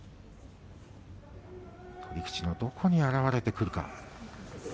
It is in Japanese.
取り口のどこに表れてくるのか